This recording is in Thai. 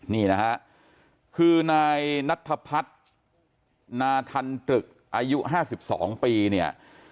นี่นะครับคือนายนัทธพัฒน์นาธันตรึกอายุ๕๒ปี